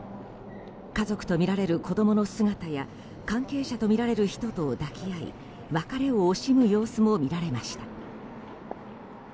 家族とみられる子供の姿や関係者とみられる人と抱き合い別れを惜しむ様子も見られました。